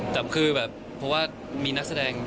แต่คือแบบเพราะว่ามีนักแสดง